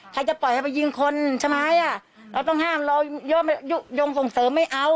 ใครจะปล่อยให้ไปยิงคนใช่ไหมเราต้องห้ามเรายุโยงส่งเสริมไม่เอา